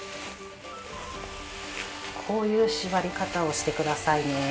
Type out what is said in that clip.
こういう縛り方をしてくださいね。